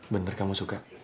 bener kamu suka